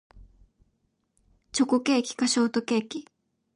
チョコケーキかショートケーキ